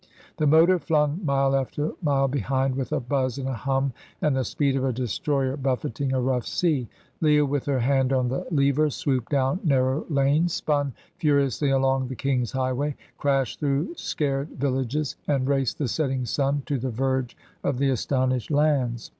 The motor flung mile after mile behind, with a buzz and a hum, and the speed of a destroyer buffeting a rough sea. Leah, with her hand on the levers, swooped down narrow lanes, spun furiously along the King's highway, crashed through scared villages, and raced the setting sun to the verge of the astonished lands.